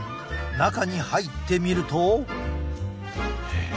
中に入ってみると。